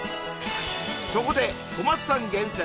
そこで小松さん厳選！